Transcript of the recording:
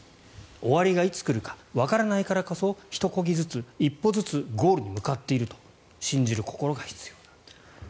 終わりがいつ来るかわからないからこそひとこぎずつ、一歩ずつゴールに向かっていると信じる心が必要だった。